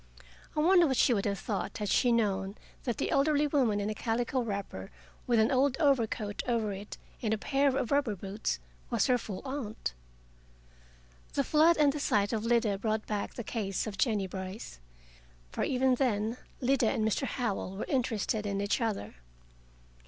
I wonder what she would have thought had she known that the elderly woman in a calico wrapper with an old overcoat over it, and a pair of rubber boots, was her full aunt! The flood and the sight of Lida both brought back the case of Jennie Brice. For even then, Lida and Mr. Howell were interested in each other.